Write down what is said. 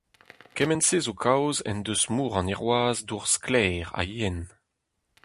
Kement-se zo kaoz en deus mor an Hirwazh dour sklaer ha yen.